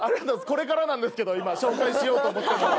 これからなんですけど今紹介しようと思っているもの。